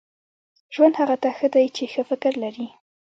• ژوند هغه ته ښه دی چې ښه فکر لري.